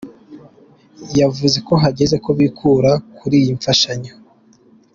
Yavuze ko hageze ko bikura kuri iyo mfashanyo.